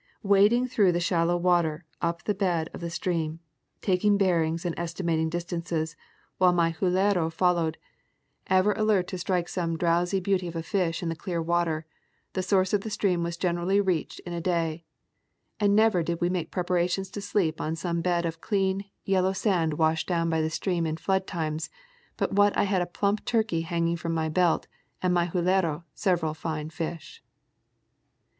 Wading through the shallow water up the bed of the stream, taking bearings and estimating distances, while my huUrQ VOL. I. 34 326 'National Geographic Magazine. followed, ever alert to strike some drowsy beauty of a fish in the clear water ; the soiirce of the stream was generally reached in a day, and never did we make preparations to sleep on some bed of clean, yellow sand washed down by the stream in flood times, but what I had a plump turkey hanging from my belt, and my hulero several fine fish.